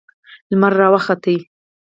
لمر راوخوت